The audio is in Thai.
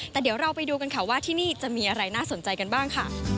แต่เดี๋ยวเราไปดูกันค่ะว่าที่นี่จะมีอะไรน่าสนใจกันบ้างค่ะ